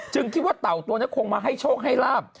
คิดว่าเต่าตัวนี้คงมาให้โชคให้ลาบ